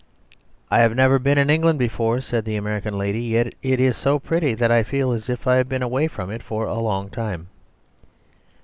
"I have never been in England before," said the American lady, "yet it is so pretty that I feel as if I have been away from it for a long time."